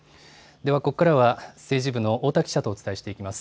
ではここからは、政治部の太田記者とお伝えしていきます。